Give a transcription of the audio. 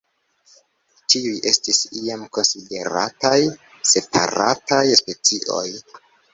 Tiuj estis iam konsiderataj separataj specioj.